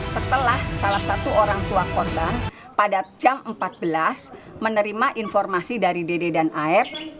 setelah salah satu orang tua korban pada jam empat belas menerima informasi dari dede dan af